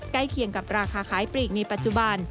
เคียงกับราคาขายปลีกในปัจจุบัน